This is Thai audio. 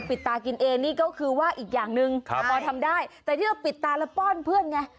พอทำได้แต่ที่เราปิดตาและป้อนเพื่อนไง